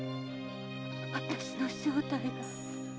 私の正体が。